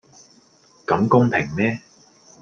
咁公平咩?